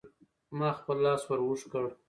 ما خپل لاس ور اوږد کړ.